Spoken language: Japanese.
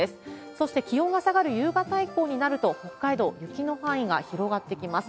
そして、気温が下がる夕方以降になると、北海道、雪の範囲が広がってきます。